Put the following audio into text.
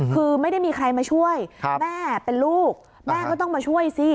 คือไม่ได้มีใครมาช่วยแม่เป็นลูกแม่ก็ต้องมาช่วยสิ